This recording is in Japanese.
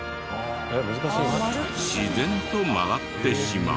自然と曲がってしまう。